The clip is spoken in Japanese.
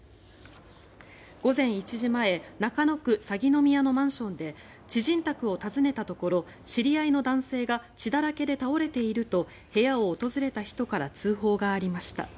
午前１時前中野区鷺宮のマンションで知人宅を訪ねたところ知り合いの男性が血だらけで倒れていると部屋を訪れた人から通報がありました。